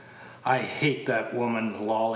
"I hate that woman, Lolly."